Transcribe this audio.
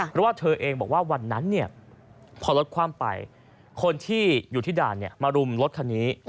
เพราะว่าเธอเองบอกว่าวันนั้นพอรถคว่ำไปคนที่อยู่ที่ด่านมารุมรถคันนี้